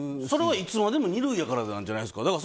それはいつまでも二類やからなんじゃないですか。